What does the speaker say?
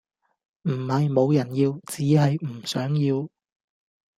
唔係無人要，只係唔想要